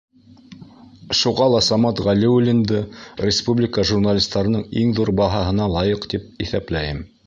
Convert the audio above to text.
Шуға ла Самат Ғәлиуллинды республика журналистарының иң ҙур баһаһына лайыҡ тип иҫәпләйем.